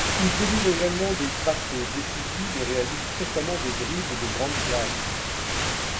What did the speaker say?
Il délivre également des passes décisives et réalise fréquemment des dribbles de grande classe.